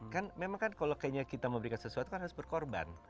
kan memang kan kalau kayaknya kita memberikan sesuatu kan harus berkorban